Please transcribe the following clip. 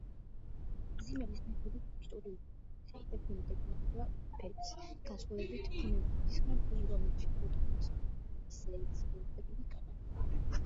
ზიმელის მიხედვით ისტორიული პროცესი, ექვემდებარება „ბედს“, განხსვავებით ბუნებისგან, რომელშიც ბატონობს მიზეზობრივი კანონი.